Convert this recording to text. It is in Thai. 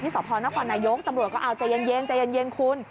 ที่สอบธรรณควรนายกตำรวจก็เอาใจเย็นคุณ